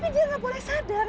dia nggak boleh sadar